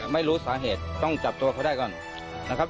ไม่รู้สาเหตุต้องจับตัวเขาได้ก่อนนะครับ